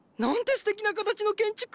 すてきな形の建築！